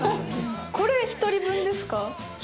これ１人分ですか？